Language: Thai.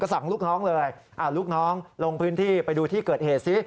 สั่งลูกน้องเลยลูกน้องลงพื้นที่ไปดูที่เกิดเหตุซิ